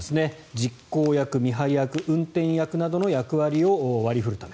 実行役、見張り役、運転役などの役割を割り振るため。